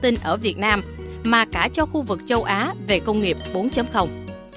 nghiệp của việt nam mà cả cho khu vực châu á về công nghiệp bốn à à à ừ ừ ừ ừ ừ ừ ừ ừ